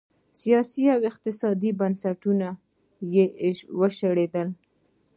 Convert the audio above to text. سیاسي او اقتصادي بنسټونه یې وشړېدل.